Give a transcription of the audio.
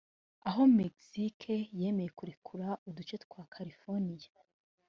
aho Mexique yemeye kurekura uduce twa California